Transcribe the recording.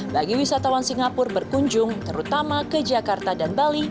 bagi wisatawan singapura berkunjung terutama ke jakarta dan bali